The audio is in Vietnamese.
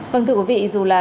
vâng thưa quý vị dù là